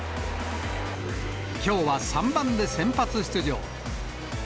きょうは３番で先発出場。